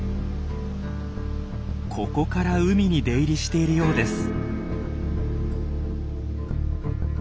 ここから海に出入りしているようです。